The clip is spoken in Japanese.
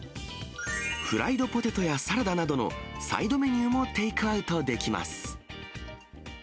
フライドポテトやサラダなどのサイドメニューもテイクアウトできます。